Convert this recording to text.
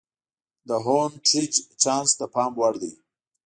د هونټریج چانس د پام وړ دی.